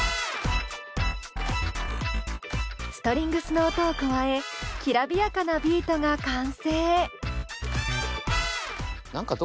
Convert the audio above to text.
ストリングスの音を加えきらびやかなビートが完成。